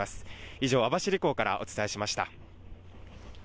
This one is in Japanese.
以上、網走港からお伝えしました。